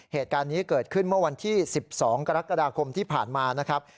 เหตุการณ์นี้เกิดขึ้นเมื่อวันที่๑๒กรกฎาคมที่ผ่านมานะครับ